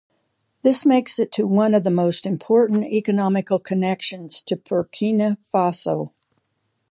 This makes it to one of the most important economical connections to Burkina Faso.